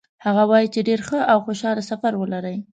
هغه وایي چې ډېر ښه او خوشحاله سفر ولرئ.